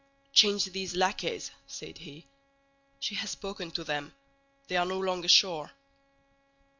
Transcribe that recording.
"Change these lackeys," said he; "she has spoken to them. They are no longer sure."